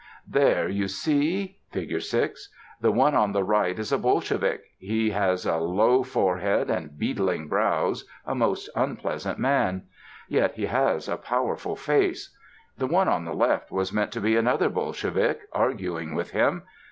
There, you see (Fig. 6)? The one on the right is a Bolshevik; he has a low forehead and beetling brows a most unpleasant man. Yet he has a powerful face. The one on the left was meant to be another Bolshevik, arguing with him.